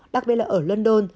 đặc biệt là ở london